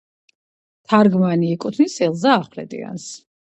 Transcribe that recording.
თარგმანი ეკუთვნის ელზა ახვლედიანს.